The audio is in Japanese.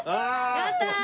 やったー！